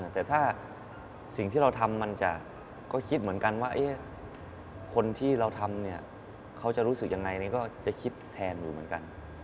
แต่ถ้าสิ่งที่เราทำมันจะก็คิดเหมือนกันว่าคนที่เราทำเนี่ยเขาจะรู้สึกยังไงก็จะคิดแทนอยู่เหมือนกัน